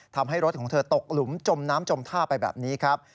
ทำให้รถของเธอตกหลุมจมน้ำจมท่าไปแบบนี้ครับ